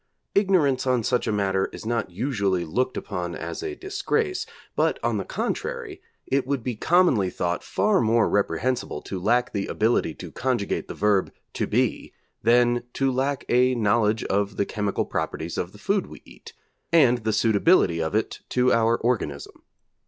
Ignorance on such a matter is not usually looked upon as a disgrace, but, on the contrary, it would be commonly thought far more reprehensible to lack the ability to conjugate the verb 'to be' than to lack a knowledge of the chemical properties of the food we eat, and the suitability of it to our organism.